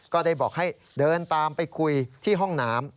ก็ได้บอกให้เดินตามไปคุยที่ห้องน้ำ